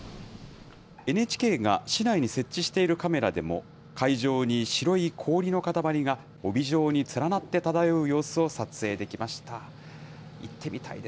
ＮＨＫが市内に設置しているカメラでも、海上に白い氷の塊が帯状に連なって漂う様子を撮影できました。